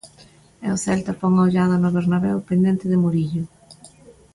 E o Celta pon a ollada no Bernabéu pendente de Murillo.